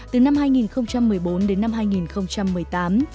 từ năm hai nghìn một mươi bốn đến năm hai nghìn một mươi tám